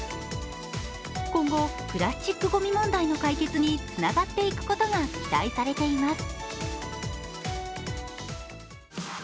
今後、プラスチックごみ問題の解決につながっていくことが期待されています。